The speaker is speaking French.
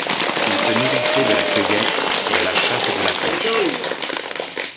Ils se nourrissaient de la cueillette, de la chasse et de la pêche.